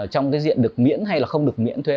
trong cái diện được miễn hay là không được miễn thuế